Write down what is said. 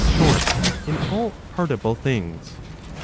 short, in all partible things.